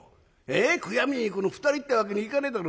悔やみに行くの２人ってわけにいかねえだろ。